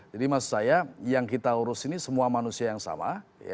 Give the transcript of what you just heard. jadi maksud saya yang kita urus ini semua manusia yang sama